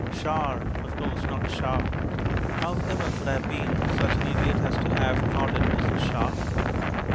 "Shar," of course, not "Shah." How ever could I have been such an idiot as to have thought it was "Shah"?